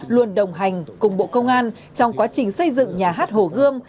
luôn đồng hành cùng bộ công an trong quá trình xây dựng nhà hát hồ gươm